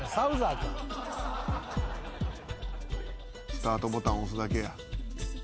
スタートボタン押すだけや。